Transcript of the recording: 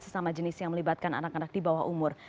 sesama jenis yang melibatkan anak anak di bawah umur